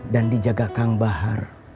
dan dijaga kang bahar